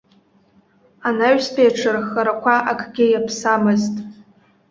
Анаҩстәи аҽырххарақәа акгьы иаԥсамызт.